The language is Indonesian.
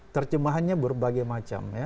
terjemahannya berbagai macam